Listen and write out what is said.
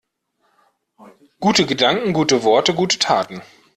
Gute Gedanken, gute Worte, gute Taten.